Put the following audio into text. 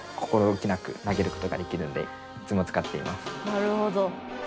なるほど。